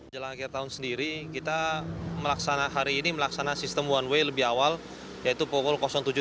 jalan akhir tahun sendiri kita hari ini melaksanakan sistem one way lebih awal yaitu pukul tujuh belas